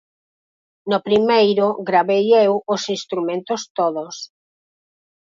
No primeiro gravei eu os instrumentos todos.